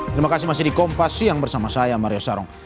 terima kasih masih di kompas siang bersama saya mario sarong